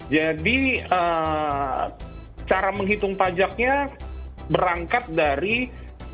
jadi cara menghitung pajaknya berangkat dari kita harus menghitung berapa penghasilan yang kita proleh dari kegiatan usaha